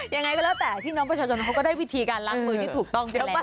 ยังไงก็แล้วแต่พี่น้องประชาชนเขาก็ได้วิธีการล้างมือที่ถูกต้องอยู่แล้ว